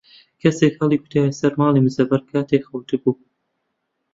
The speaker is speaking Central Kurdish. کەسێک هەڵی کوتایە سەر ماڵی مزەفەر کاتێک خەوتبوو.